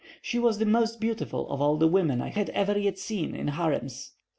She was the most beautiful of all the women I had ever yet seen in harems.